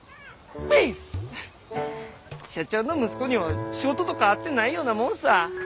ピース！社長の息子には仕事とかあってないようなもんさぁ！